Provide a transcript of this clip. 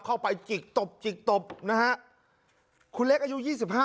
จิกตบจิกตบนะฮะคุณเล็กอายุยี่สิบห้า